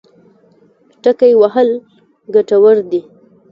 ټکی وهل ګټور دی.